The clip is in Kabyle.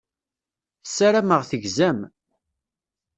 Ssarameɣ tegzam.